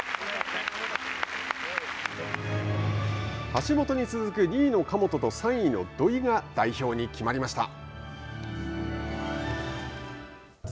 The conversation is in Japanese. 橋本に続く２位の神本と３位の土井が代表に決まりました。